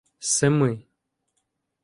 Семи